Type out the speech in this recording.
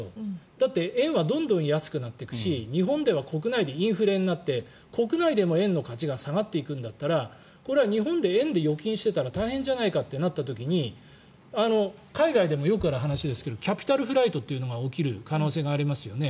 だって、円はどんどん安くなっていくし日本では国内でインフレになって国内でも円の価値が下がっていくんだったらこれは日本で円で預金していたら大変じゃないかってなった時に海外でもよくある話ですがキャピタルフライトが起きる可能性がありますよね。